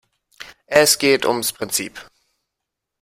Es geht ums Prinzip.